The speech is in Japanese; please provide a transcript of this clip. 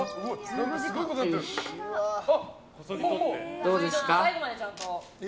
どうですか？